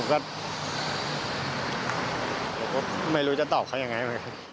ผมก็ไม่รู้จะตอบเขายังไง